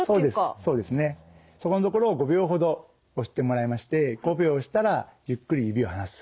そうですねそこの所を５秒ほど押してもらいまして５秒押したらゆっくり指を離す。